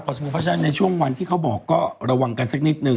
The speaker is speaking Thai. เพราะฉะนั้นในช่วงวันที่เขาบอกก็ระวังกันสักนิดนึง